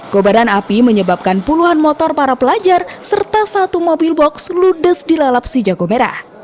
kobaran api menyebabkan puluhan motor para pelajar serta satu mobil box ludes dilalap si jago merah